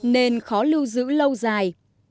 nên khó lưu giữ lâu dài